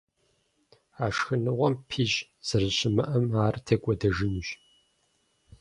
А шхыныгъуэм пищӀ зэрыщымыӀэм ар текӀуэдэжынущ.